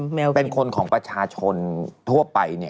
ภูมิเป็นคนของประชาชนทั่วไป